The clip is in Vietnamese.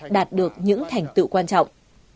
đạt được những thành tựu quan trọng